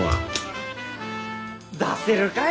出せるかい！